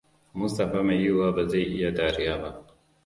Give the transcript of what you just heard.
Mustapha mai yiwuwa ba zai yi dariya ba.